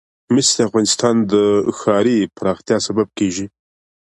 مس د افغانستان د ښاري پراختیا سبب کېږي.